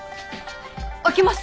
空けます。